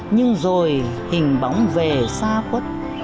nhưng rồi hình bóng về xa khuất